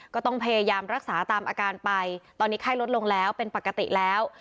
ก็ต้องพยายามรักษาตามอาการไปตอนนี้ไข้ลดลงแล้วเป็นปกติแล้ว